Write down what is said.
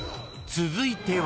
［続いては］